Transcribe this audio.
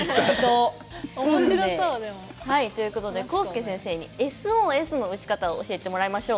コウスケ先生にＳＯＳの打ち方を教えてもらいましょう。